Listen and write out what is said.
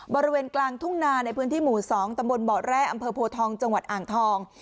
บริเวณกลางทุ่งนาในพื้นที่หมู่๒ตำบลเบาะแร่อำเภอโพทองจังหวัดอ่างทอง